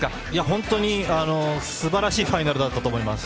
本当にすばらしいファイナルだったと思います。